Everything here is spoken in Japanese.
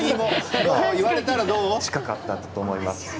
近かったと思います。